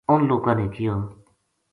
اُنھ لوکاں نے کہیو